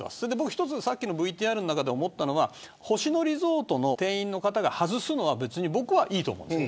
一つさっきのＶＴＲの中で思ったのは星野リゾートの店員の方が外すのはいいと思う。